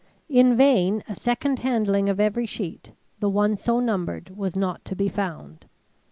In vain a second handling of every sheet, the one so numbered was not to be found.